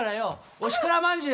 おしくらまんじゅう！